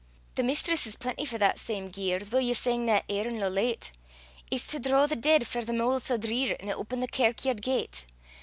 The mistress is plenty for that same gear, Though ye sangna ear' nor late. It's to draw the deid frae the moul' sae drear, An' open the kirkyaird gate.